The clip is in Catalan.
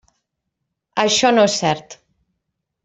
Això no és cert.